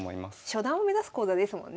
初段を目指す講座ですもんね。